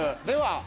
では。